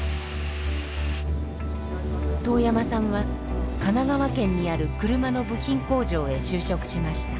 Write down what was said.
當山さんは神奈川県にある車の部品工場へ就職しました。